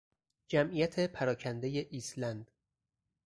جمعیت پراکنده ایسلند